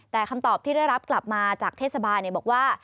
แต่คำตอบที่ได้รับกลับมาจากเทศบาลบอกว่า